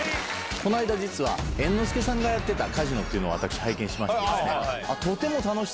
この間猿之助さんがやってたカジノというのを拝見しまして。